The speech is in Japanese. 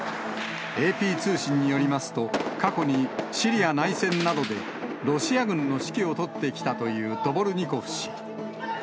ＡＰ通信によりますと、過去にシリア内戦などで、ロシア軍の指揮を執ってきたというドボルニコフ氏。